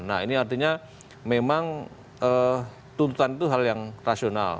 nah ini artinya memang tuntutan itu hal yang rasional